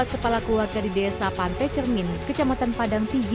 tujuh puluh empat kepala keluarga di desa pantai cermin kecamatan padang tigi